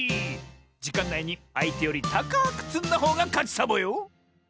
じかんないにあいてよりたかくつんだほうがかちサボよ！